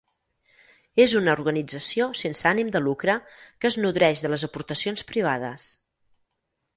És una organització sense ànim de lucre que es nodreix de les aportacions privades.